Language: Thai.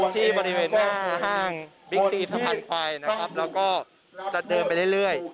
ที่บริเวณหน้าห้างบิ๊กตีสะพานควายนะครับแล้วก็จะเดินไปเรื่อย